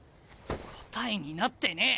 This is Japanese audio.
答えになってねえ！